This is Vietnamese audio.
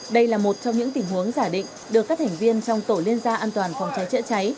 đây là một trong những tình huống giả định được các thành viên trong tổ liên gia an toàn phòng cháy chữa cháy